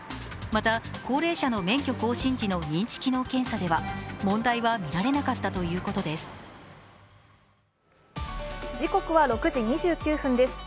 また高齢者の免許更新時の認知機能検査では問題はみられなかったということです。